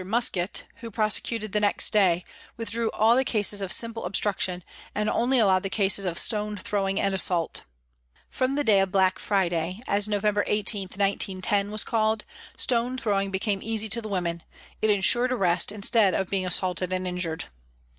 Muskett, who prosecuted the next day, withdrew all the cases of " simple obstruc tion," and only allowed the cases of " stone throwing and assault." From the day of " Black Friday," as November 18, 1910, was called, stone throwing became easy to the women it ensured arrest instead of being assaulted and injured.